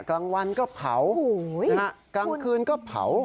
กลางวันก็เผากลางคืนก็เผา